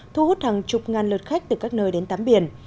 thu hút hàng chục ngàn lượt khách từ các nơi đến tám biển